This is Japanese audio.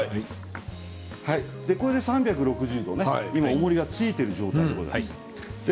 これで３６０度おもりがついている状態です。